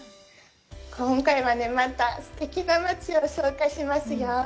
今回はね、またすてきな街を紹介しますよ。